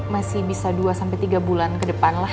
masih bisa dua tiga bulan ke depan lah